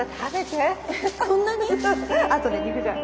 あとね肉じゃが。